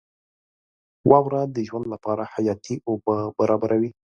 • واوره د ژوند لپاره حیاتي اوبه برابروي.